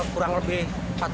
kurang lebih empat puluh lima